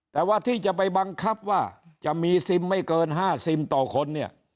แต่ว่าที่จะไปบังคับว่าจะมีซิมไม่เกิน๕ซิมต่อคนเนี่ย